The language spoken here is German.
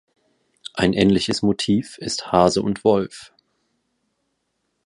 Ein ähnliches Motiv ist Hase und Wolf.